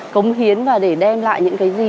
cống hiến và để đem lại những cái gì